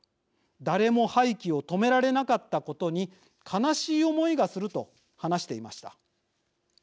誰も廃棄を止められなかったことに悲しい思いがする」と話していました。